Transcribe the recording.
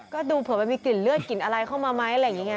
ก็ดูเผื่อมันมีกลิ่นเลือดกลิ่นอะไรเข้ามาไหมอะไรอย่างนี้ไง